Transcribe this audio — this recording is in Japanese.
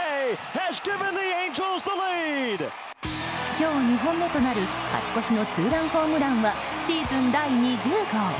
今日、２本目となる勝ち越しのツーランホームランはシーズン第２０号。